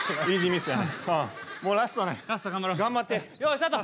よいスタート！